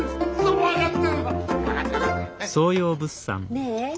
ねえ